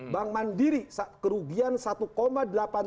bank mandiri saat kerugian satu delapan triliun